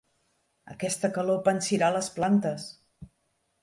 Aquesta calor pansirà les plantes.